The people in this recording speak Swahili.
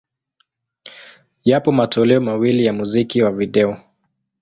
Yapo matoleo mawili ya muziki wa video.